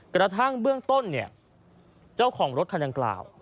กระทั่งเบื้องต้นเนี่ยเจ้าของรถคันดังกล่าว